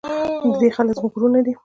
د دې خلک زموږ ورونه دي